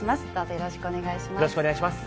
よろしくお願いします。